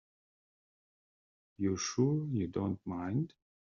You're sure you don't mind?